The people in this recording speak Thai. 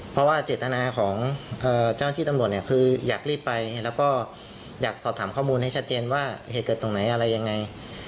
เพราะว่าเจตนาของเจ้าหน้าที่ตำรวจเนี่ยคืออยากรีบไปแล้วก็อยากสอบถามข้อมูลให้ชัดเจนว่าเหตุเกิดตรงไหนอะไรยังไง